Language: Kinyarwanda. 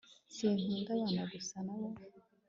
sinkunda abana gusa nabo